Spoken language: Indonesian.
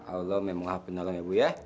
allah memang maafkan nolong ya ibu ya